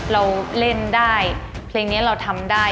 เราเล่นได้เพลงนี้เราทำได้